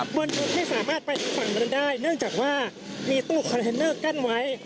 บนถนนไม่สามารถไปฝั่งนั้นได้เนื่องจากว่ามีตู้คอนเทนเนอร์กั้นไว้